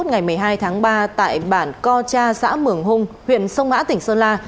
ngày một mươi hai tháng ba tại bản co cha xã mường hung huyện sông mã tỉnh sơn la